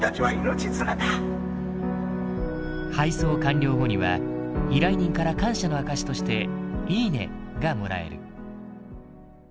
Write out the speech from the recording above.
配送完了後には依頼人から感謝の証しとして「いいね」がもらえる。